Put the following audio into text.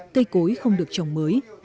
cây cối không được trồng mới